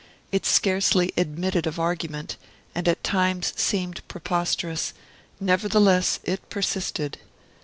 It scarcely admitted of argument, and at times seemed preposterous, nevertheless it persisted.